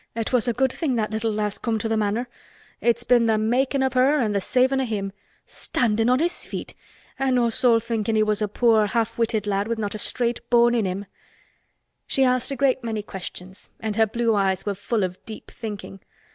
"It was a good thing that little lass came to th' Manor. It's been th' makin' o' her an' th' savin, o' him. Standin' on his feet! An' us all thinkin' he was a poor half witted lad with not a straight bone in him." She asked a great many questions and her blue eyes were full of deep thinking.